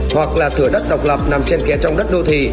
hoặc là thửa đất độc lập nằm sen kẽ trong đất đô thị